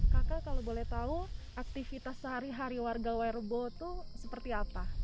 kakak kalau boleh tahu aktivitas sehari hari warga werebo itu seperti apa